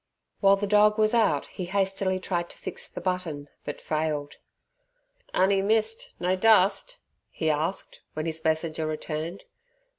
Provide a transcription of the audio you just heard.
While the dog was out he hastily tried to fix the button, but failed. "On'y mist, no dust?" he asked, when his messenger returned.